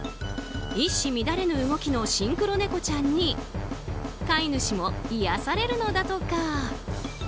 一糸乱れぬ動きのシンクロ猫ちゃんに飼い主も癒やされるのだとか。